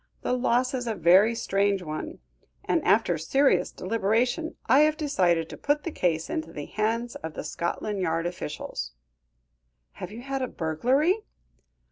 The loss is a very strange one; and, after serious deliberation, I have decided to put the case into the hands of the Scotland Yard officials." "Have you had a burglary?"